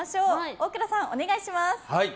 大倉さん、お願いします。